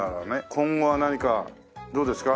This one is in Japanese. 今後は何かどうですか？